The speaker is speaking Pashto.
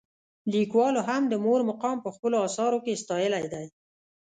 لیکوالو هم د مور مقام په خپلو اثارو کې ستایلی دی.